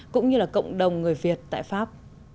cũng như là cộng đồng người việt tại pháp